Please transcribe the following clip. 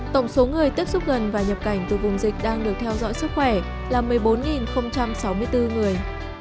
tổng số người tiếp xúc gần và nhập cảnh từ vùng dịch đang được theo dõi sức khỏe là một mươi bốn sáu mươi bốn người